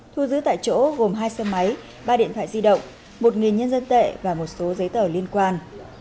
thu giữ tại chỗ gồm hai xe máy ba điện thoại di động một nhân dân tệ và một số giấy tờ liên quan